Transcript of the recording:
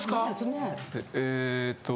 ええっと